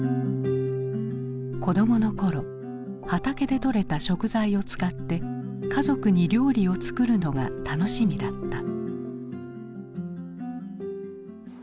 子どもの頃畑で取れた食材を使って家族に料理を作るのが楽しみだった。